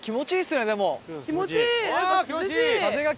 わあ気持ちいい！